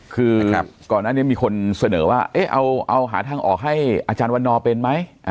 คือก่อนอันนี้มีคนเสนอว่าเอาหาทางออกให้อาจารย์วันนอร์เป็นไหม